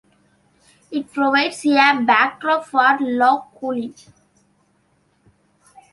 It provides a backdrop for Lough Coolin.